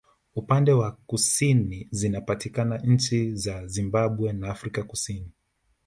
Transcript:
Upande wa kusini zinapatikana nchi za Zimbabwe na Afrika kusini